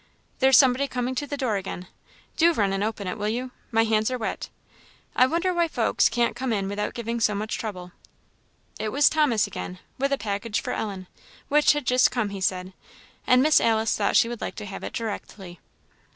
There's somebody coming to the door again! Do run and open it, will you? my hands are wet. I wonder why folks can't come in without giving so much trouble." It was Thomas again, with a package for Ellen, which had just come, he said, and Miss Alice thought she would like to have it directly.